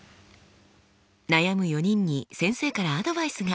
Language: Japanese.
悩む４人に先生からアドバイスが。